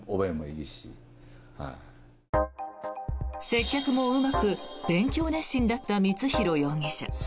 接客もうまく勉強熱心だった光弘容疑者。